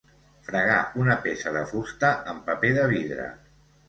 Fregar una peça de fusta amb paper de vidre.